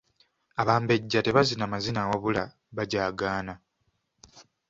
Abambejja tebazina mazina wabula bajaagaana.